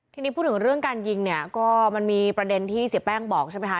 ทีนี้พูดถึงเรื่องการยิงเนี่ยก็มันมีประเด็นที่เสียแป้งบอกใช่ไหมคะ